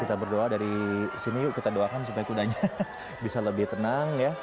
kita berdoa dari sini yuk kita doakan supaya kudanya bisa lebih tenang ya